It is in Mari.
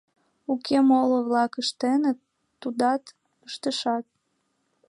Уке, моло-влак ыштеныт, тудат ыштышаш.